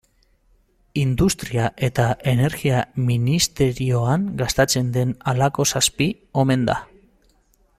Industria eta Energia ministerioan gastatzen den halako zazpi omen da.